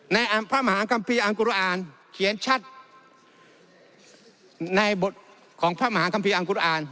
ในพระมหากัมภีร์อังกฎอาณเขียนชัดในบทของพระมหากัมภีร์อังกฎอาณ